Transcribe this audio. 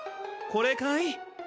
これかい？